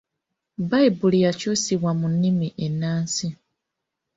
Bbayibuli yakyusibwa mu nnimi ennansi.